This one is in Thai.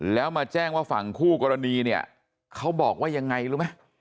แล้วมาแจ้งว่าฝั่งคู่กรณีเนี่ยเขาบอกว่ายังไงรู้ไหม